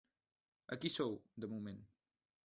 Aquí sou, de moment.